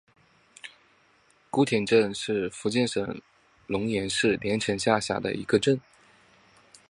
姑田镇是福建省龙岩市连城县下辖的一个镇。